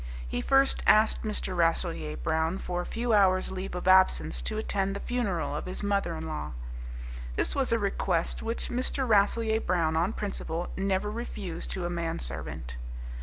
He first asked Mr. Rasselyer Brown for a few hours' leave of absence to attend the funeral of his mother in law. This was a request which Mr. Rasselyer Brown, on principle, never refused to a man servant.